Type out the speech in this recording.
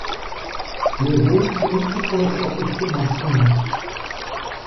Levou um tempo para se acostumar com isso.